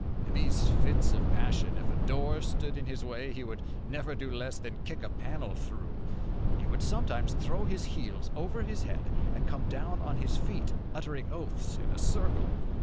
In these fits of passion, if a door stood in his way he would never do less than kick a panel through. He would sometimes throw his heels over his head, and come down on his feet, uttering oaths in a circle.